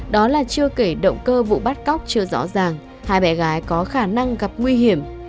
đó là chưa kể động cơ vụ bắt cóc chưa rõ ràng hai bé gái có khả năng gặp nguy hiểm